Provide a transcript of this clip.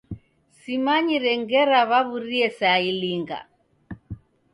Simanyire ngera w'aw'urie saa ilinga.